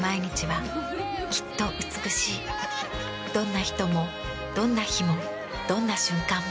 どんな人もどんな日もどんな瞬間も。